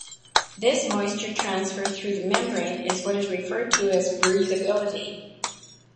This moisture transfer through the membrane is what is referred to as breatheability.